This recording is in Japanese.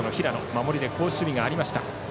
守りで好守備がありました。